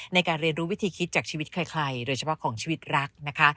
ในการเรียนรู้วิธีคิดจากชีวิตใครโดยเฉพาะของชีวิตรักนะคะ